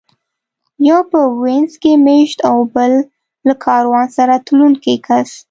یو په وینز کې مېشت و او بل له کاروان سره تلونکی کس و